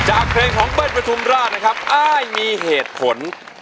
จากเพลงของเบิ้ลประทุมราชนะครับอ้ายมีเหตุผล